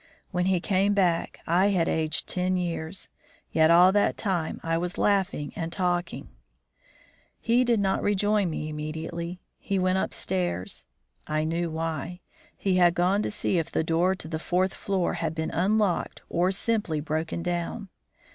When he came back I had aged ten years, yet all that time I was laughing and talking. He did not rejoin me immediately; he went up stairs. I knew why; he had gone to see if the door to the fourth floor had been unlocked or simply broken down.